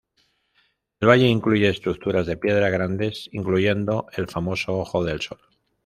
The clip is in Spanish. El valle incluye estructuras de piedra grandes incluyendo el famoso "Ojo del Sol".